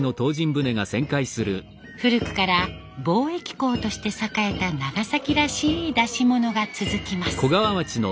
古くから貿易港として栄えた長崎らしい出し物が続きます。